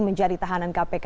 menjadi tahanan kpk